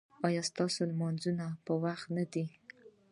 ایا ستاسو لمونځونه په وخت نه دي؟